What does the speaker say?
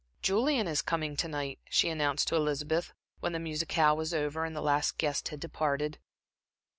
"Julian is coming to night," she announced to Elizabeth, when the musicale was over and the last guest had departed.